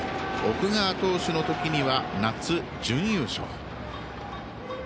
奥川投手のときには夏準優勝。